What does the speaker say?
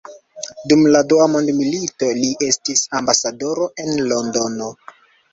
Dum la dua mondmilito, li estis ambasadoro en Londono.